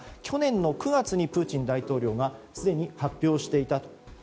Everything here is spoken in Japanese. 去年９月にプーチン大統領がすでに発表していた。